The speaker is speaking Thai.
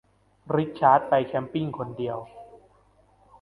ริชาร์ดไปแคมป์ปิ้งคนเดียว